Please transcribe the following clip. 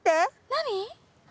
何？